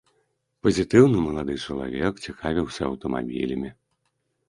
Пазітыўны малады чалавек, цікавіўся аўтамабілямі.